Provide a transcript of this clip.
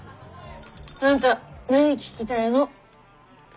あんた何聞きたいの？